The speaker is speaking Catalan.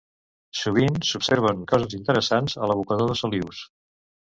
Sovint s'observen coses interessants a l'abocador de Solius.